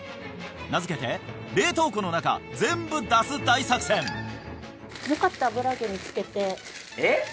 名付けて「冷凍庫の中全部出す大作戦」えっ？